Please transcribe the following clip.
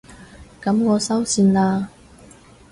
噉我收線喇